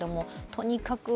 とにかく